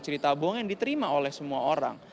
cerita bohong yang diterima oleh semua orang